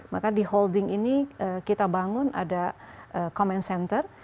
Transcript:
maka di holding ini kita bangun ada command center